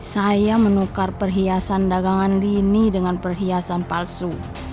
saya menukar perhiasan dagangan dini dengan perhiasan palsu